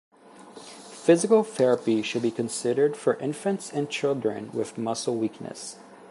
Physical therapy should be considered for infants and children with muscle weakness.